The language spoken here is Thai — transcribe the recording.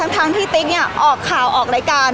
ทั้งที่ติ๊กเนี่ยออกข่าวออกรายการ